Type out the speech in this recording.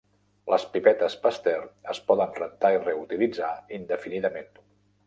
Les pipetes Pasteur es poden rentar i reutilitzar indefinidament.